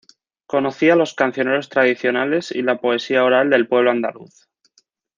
Conocía los cancioneros tradicionales y la poesía oral del pueblo andaluz.